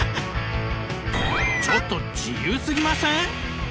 ちょっと自由すぎません？